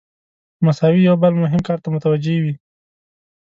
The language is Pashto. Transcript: مساوي یو بل مهم کار ته متوجه وي.